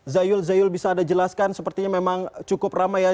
zayul zayul bisa anda jelaskan sepertinya memang cukup ramai ya